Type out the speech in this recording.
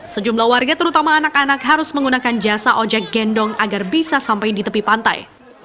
sejumlah warga terutama anak anak harus menggunakan jasa ojek gendong agar bisa sampai di tepi pantai